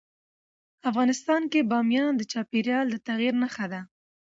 افغانستان کې بامیان د چاپېریال د تغیر نښه ده.